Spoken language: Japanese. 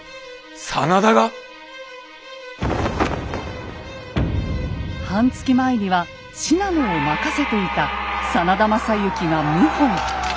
真田が⁉半月前には信濃を任せていた真田昌幸が謀反。